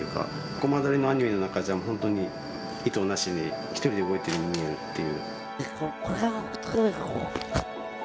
コマ撮りのアニメの中じゃ本当に糸なしに一人で動いているように見えるっていう。